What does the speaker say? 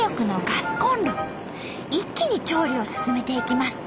一気に調理を進めていきます。